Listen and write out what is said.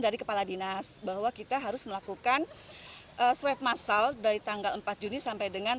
dari kepala dinas bahwa kita harus melakukan suet massal dari tanggal forts sampai dengan